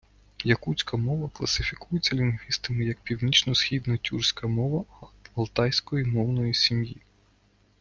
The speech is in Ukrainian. Якутська мова класифікується лінгвістами як північно-східна тюркська мова алтайської мовної сім'ї.